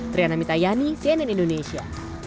triana mitayani cnn indonesia